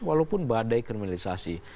walaupun badai kriminalisasi